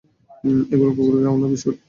এগুলো কুকুরকে খাওয়ানোর বিস্কুট!